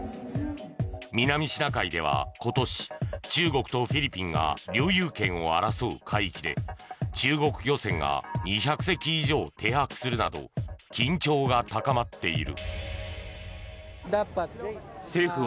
南シナ海では今年中国とフィリピンが領有権を争う海域で中国漁船が２００隻以上停泊するなど緊張が高まっている。